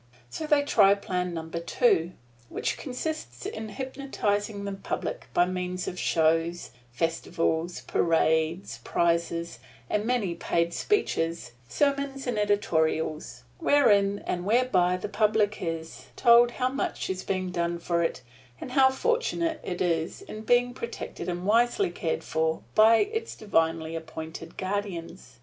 So they try Plan Number Two, which consists in hypnotizing the public by means of shows, festivals, parades, prizes and many paid speeches, sermons and editorials, wherein and whereby the public is told how much is being done for it, and how fortunate it is in being protected and wisely cared for by its divinely appointed guardians.